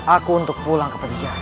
aku untuk pulang ke pekerjaan